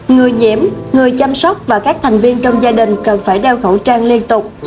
người nhiễm người chăm sóc và các thành viên trong gia đình cần phải đeo khẩu trang liên tục